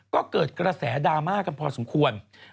ก็เกิดกระแสดราม่ากันพอสมควร